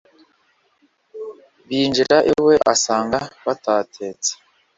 Binjirana iwe asanga batatetse